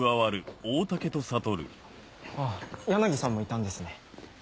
あっ柳さんもいたんですね。